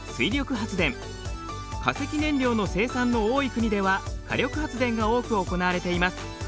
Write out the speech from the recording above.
化石燃料の生産の多い国では火力発電が多く行われています。